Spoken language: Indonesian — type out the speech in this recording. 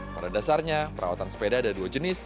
pada dasarnya perawatan sepeda ada dua jenis